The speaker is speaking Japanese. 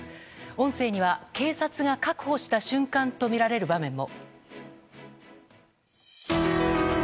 音声には警察が確保した瞬間とみられる場面も。